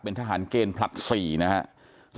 เป็นทหารเกณฑ์ผลัด๔นะครับ